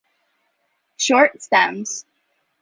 Short stems.